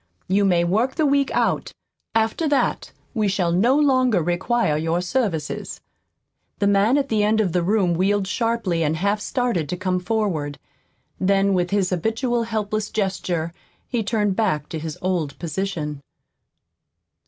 You may work the week out. After that we shall no longer require your services." The man at the end of the room wheeled sharply and half started to come forward. Then, with his habitual helpless gesture, he turned back to his old position.